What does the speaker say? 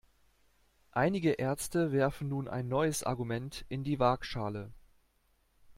Einige Ärzte werfen nun ein neues Argument in die Waagschale.